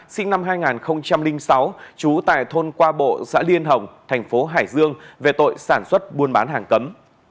sinh năm hai nghìn sáu trú tại thôn qua bộ xã liên hồng thành phố hải dương về tội sản xuất buôn bán hàng cấm